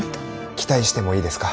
期待してもいいですか。